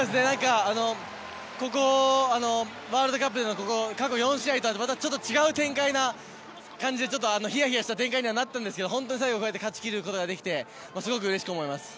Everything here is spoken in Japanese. このワールドカップ過去４試合とはまたちょっと違う展開な感じで冷や冷やした展開にはなったんですけど本当に最後に勝ち切ることができてすごくうれしく思います。